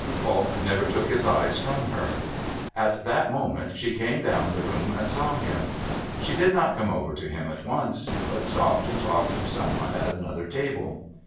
Falk never took his eyes from her. At that moment she came down the room and saw him. She did not come over to him at once, but stopped and talked to some one at another table.